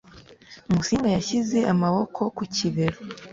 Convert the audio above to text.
Musinga yashyize amaboko ku kibero.